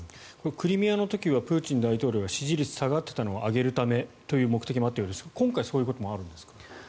クリミアの時はプーチン大統領支持率が下がっていたのを上げるためという目的もあったようですが今回、そういうこともあるんですか？